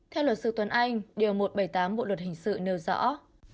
theo luật sư tuấn anh điều một trăm bảy mươi tám bộ luật hình sự nêu rõ